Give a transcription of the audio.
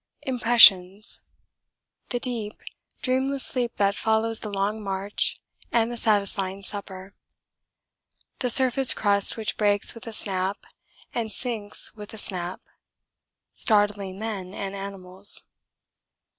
Impressions The deep, dreamless sleep that follows the long march and the satisfying supper. The surface crust which breaks with a snap and sinks with a snap, startling men and animals.